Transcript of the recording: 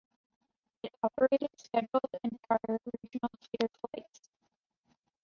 It operated scheduled and charter regional feeder flights.